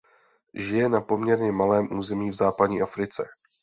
Žije na poměrně malém území v západní Africe.